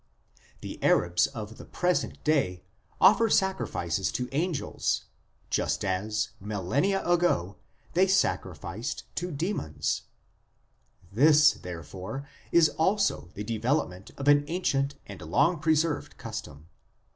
The Arabs of the present day offer sacrifices to angels, just as, millennia ago, they sacrificed to demons ; this, therefore, is also the development of an ancient and long preserved custom.